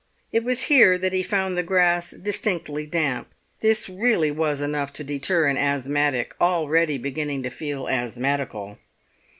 It was here that he found the grass distinctly damp; this really was enough to deter an asthmatic, already beginning to feel asthmatical.